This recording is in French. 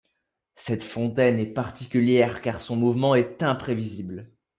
Cette fontaine est particulière car son mouvement est imprévisible.